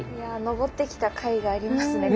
登ってきたかいがありますね。